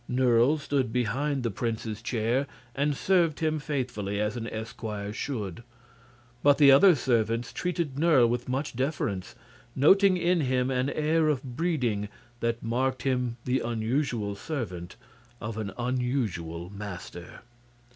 Nerle stood behind the prince's chair and served him faithfully, as an esquire should. But the other servants treated Nerle with much deference, noting in him an air of breeding that marked him the unusual servant of an unusual master.